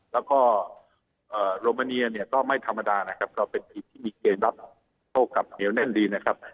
แล้วก็โรมเนียก็ไม่ธรรมดาเราเป็นที่มีเกณฑ์กฎกับเหนียวแน่นดี